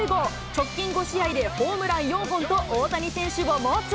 直近５試合でホームラン４本と大谷選手を猛追。